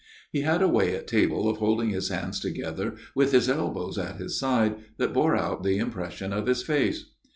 He had a way at table of holding his hands together with his elbows at his side that bore out the impression of his face.